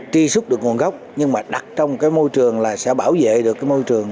truy xuất được nguồn gốc nhưng mà đặt trong cái môi trường là sẽ bảo vệ được cái môi trường